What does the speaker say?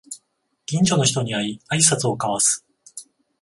近所の人に会いあいさつを交わす